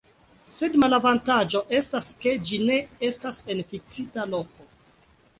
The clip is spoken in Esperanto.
Sed malavantaĝo estas, ke ĝi ne estas en fiksita loko.